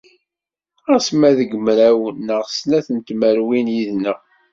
Ɣas ma deg mraw neɣ snat n tmerwin yid-neɣ.